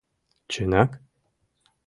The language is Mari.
Чынак?